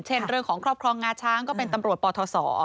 เรื่องของครอบครองงาช้างก็เป็นตำรวจปทศ